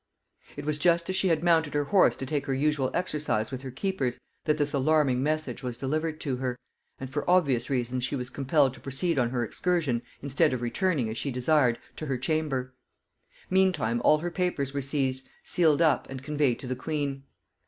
It was just as she had mounted her horse to take her usual exercise with her keepers, that this alarming message was delivered to her; and for obvious reasons she was compelled to proceed on her excursion, instead of returning, as she desired, to her chamber. Meantime all her papers were seized, sealed up, and conveyed to the queen.